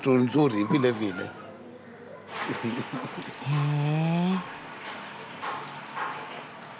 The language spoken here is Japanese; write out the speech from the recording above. へえ。